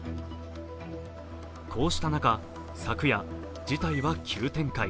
こうした中、昨夜、事態は急展開。